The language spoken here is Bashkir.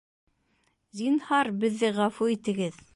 — Зинһар, беҙҙе ғәфү итегеҙ.